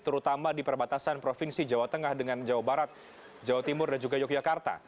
terutama di perbatasan provinsi jawa tengah dengan jawa barat jawa timur dan juga yogyakarta